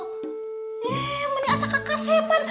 eh mana asal kakak sepan